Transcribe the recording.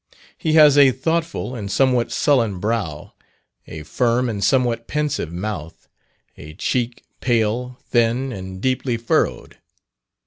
He has a thoughtful, and somewhat sullen brow, a firm and somewhat pensive mouth, a cheek pale, thin, and deeply furrowed.